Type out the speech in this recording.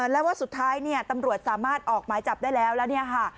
แล้วว่าสุดท้ายเนี่ยตำรวจสามารถออกหมายจับได้แล้วแล้วเนี่ยค่ะ